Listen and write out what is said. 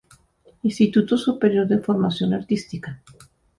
Instituto Superior de Formación Artística.